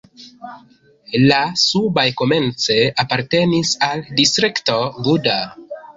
La subaj komence apartenis al Distrikto Buda.